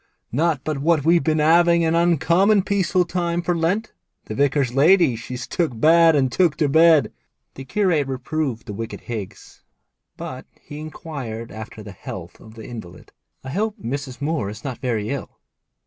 'Not but what we've been 'aving an uncommon peaceful time for Lent. The vicar's lady she's took bad and took to bed.' The curate reproved the wicked Higgs, but he inquired after the health of the invalid. 'I hope Mrs. Moore is not very ill?'